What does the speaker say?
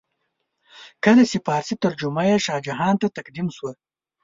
کله چې فارسي ترجمه یې شاه جهان ته تقدیم شوه.